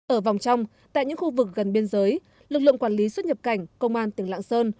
ở vòng trong tại những khu vực gần biên giới lực lượng quản lý xuất nhập cảnh công an tỉnh lạng sơn